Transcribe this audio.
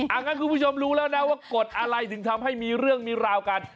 งั้นคุณผู้ชมรู้แล้วนะว่ากฎอะไรถึงทำให้มีเรื่องมีราวกัน